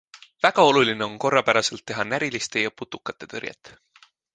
Väga oluline on korrapäraselt teha näriliste ja putukate tõrjet.